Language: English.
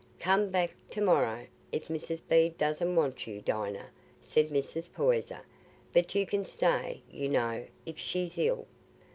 "Come back to morrow if Mrs. Bede doesn't want you, Dinah," said Mrs. Poyser: "but you can stay, you know, if she's ill."